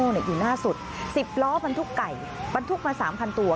เนี่ยอยู่หน้าสุดสิบล้อบรรทุกไก่บรรทุกมาสามคันตัว